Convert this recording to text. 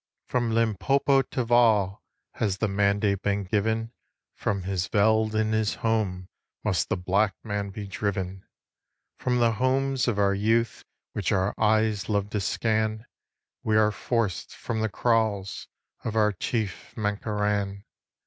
From Limpopo to Vaal Has the mandate been given, "From his veld and his home Must the black man be driven." From the homes of our youth, Which our eyes love to scan, We are forced from the kraals Of our chief Mankoraan.